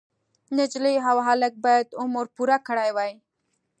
نجلۍ او هلک باید عمر پوره کړی وای.